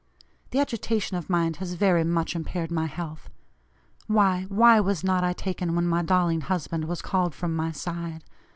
The agitation of mind has very much impaired my health. Why, why was not I taken when my darling husband was called from my side?